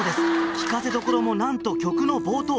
聴かせどころもなんと曲の冒頭。